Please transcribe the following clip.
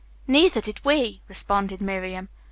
"Neither did we," responded Miriam.